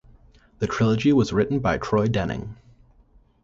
The trilogy was written by Troy Denning.